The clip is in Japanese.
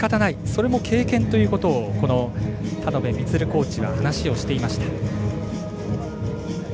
それも経験ということを田野辺満コーチは話をしていました。